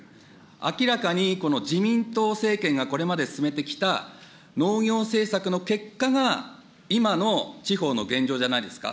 明らかにこの自民党政権がこれまで進めてきた農業政策の結果が、今の地方の現状じゃないですか。